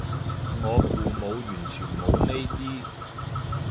我父母完全冇呢啲